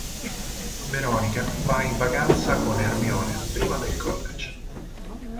Veronica va in vacanza con Hermione prima del college.